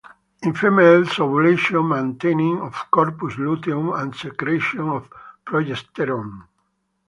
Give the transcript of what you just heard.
In females: ovulation, maintaining of corpus luteum and secretion of progesterone.